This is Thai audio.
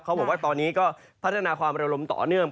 บอกว่าตอนนี้ก็พัฒนาความระลมต่อเนื่อง